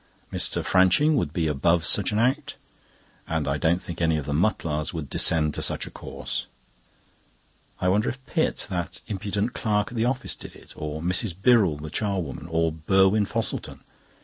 Mr. Franching would be above such an act; and I don't think any of the Mutlars would descend to such a course. I wonder if Pitt, that impudent clerk at the office, did it? Or Mrs. Birrell, the charwoman, or Burwin Fosselton?